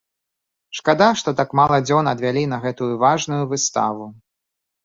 Шкада, што так мала дзён адвялі на гэтую важную выставу.